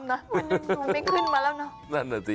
ไม่ขึ้นมาแล้ว